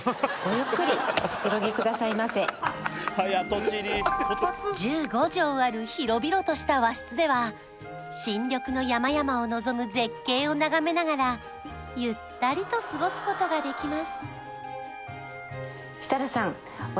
ゆっくりおくつろぎくださいませ１５畳ある広々とした和室では新緑の山々を望む絶景を眺めながらゆったりと過ごすことができます